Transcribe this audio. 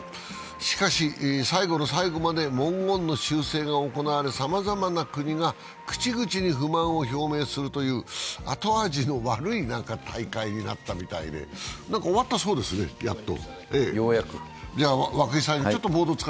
しかし、最後の最後まで文言の修正が行われ、さまざまな国が口々に不満を表明するという後味の悪い大会になったみたいで、終わったそうですね、やっと。